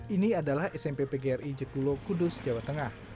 ini adalah smpp gri jekulo kudus jawa tengah